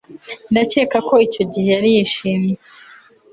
Ndakeka ko icyo gihe yari yishimye